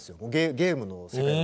ゲームの世界を。